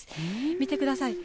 見てください。